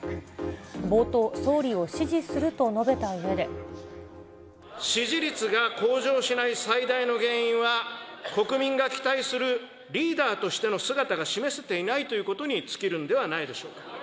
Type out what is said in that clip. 冒頭、支持率が向上しない最大の原因は、国民が期待するリーダーとしての姿が示せていないということに尽きるんではないでしょうか。